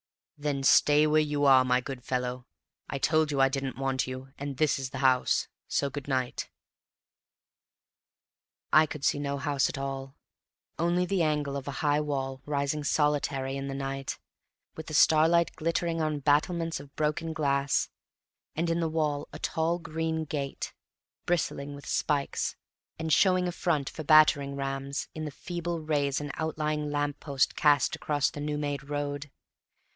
"Then stay where you are, my good fellow. I told you I didn't want you; and this is the house. So good night." I could see no house at all, only the angle of a high wall rising solitary in the night, with the starlight glittering on battlements of broken glass; and in the wall a tall green gate, bristling with spikes, and showing a front for battering rams in the feeble rays an outlying lamp post cast across the new made road.